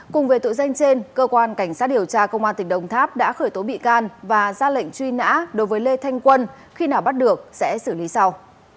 cùng với tội danh trên cơ quan cảnh sát điều tra công an tỉnh đồng tháp đã khởi tố bị can và ra lệnh truy nã đối với lê thanh quân khi nào bắt được sẽ xử lý sau